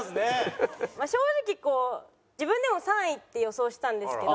まあ正直こう自分でも３位って予想したんですけど。